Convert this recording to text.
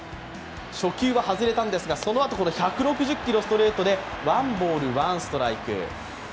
初球は外れたんですが、そのあと１６０キロのストレートでワンボールワンストライク。